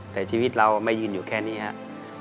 แต่ชีวิตเราไม่ยืนอยู่แค่นี้ครับ